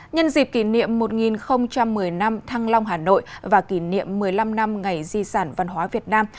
nhân dịp kỷ niệm một nghìn một mươi năm thăng long hà nội và kỷ niệm một mươi năm năm ngày di sản văn hóa việt nam